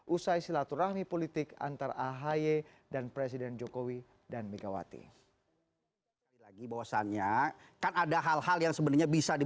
usai silaturahmi politik antara ahy dan presiden jokowi dan megawati